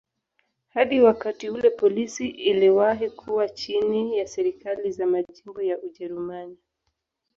Hadi wakati ule polisi iliwahi kuwa chini ya serikali za majimbo ya Ujerumani.